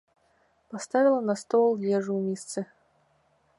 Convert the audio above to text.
Паставіла на стол ежу ў місцы.